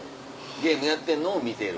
ゲームやってんのを見てる。